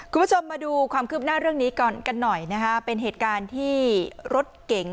คุณผู้ชมมาดูความคืบหน้าเรื่องนี้ก่อนกันหน่อยนะคะเป็นเหตุการณ์ที่รถเก๋ง